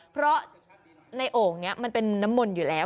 เพราะในโอ่งนี้มันเป็นน้ำมนต์อยู่แล้ว